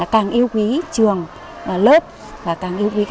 càng yêu quý trường lớp và càng yêu quý các em